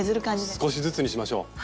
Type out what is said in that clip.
少しずつにしましょう。